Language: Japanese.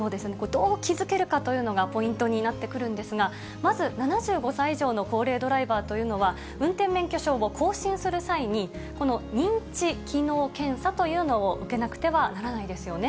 どう気付けるかというのがポイントになってくるんですが、まず、７５歳以上の高齢ドライバーというのは、運転免許証を更新する際に、この認知機能検査というのを受けなくてはならないですよね。